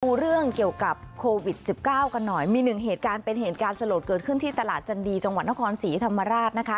ดูเรื่องเกี่ยวกับโควิด๑๙กันหน่อยมีหนึ่งเหตุการณ์เป็นเหตุการณ์สลดเกิดขึ้นที่ตลาดจันดีจังหวัดนครศรีธรรมราชนะคะ